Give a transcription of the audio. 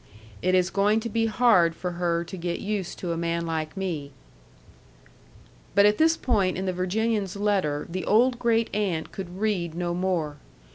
It is going to be hard for her to get used to a man like me But at this point in the Virginian's letter, the old great aunt could read no more.